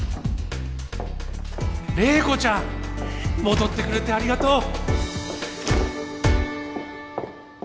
麗子ちゃん！戻ってくれてありがとう！